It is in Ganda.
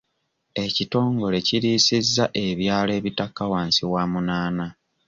Ekitongole kiriisizza ebyalo ebitakka wansi wa munaana.